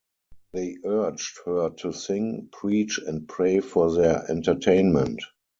They urged her to sing, preach, and pray for their entertainment.